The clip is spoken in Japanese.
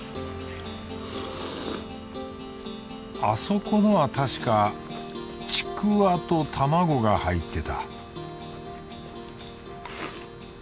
あそこのはたしかちくわと卵が入ってた